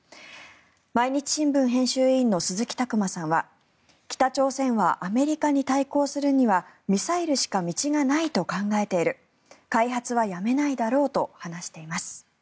毎日新聞編集委員の鈴木琢磨さんは北朝鮮はアメリカに対抗するにはミサイルしか道がないと考えている開発はやめないだろうと話しています。